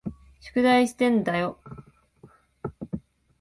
宿題してんだよ。